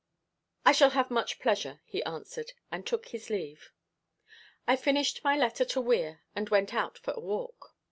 "I shall have much pleasure," he answered; and took his leave. I finished my letter to Weir, and went out for a walk.